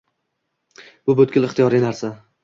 Bu butkul ixtiyoriy narsa.